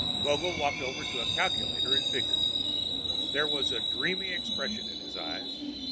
Vogel walked over to a calculator and figured. There was a dreamy expression in his eyes.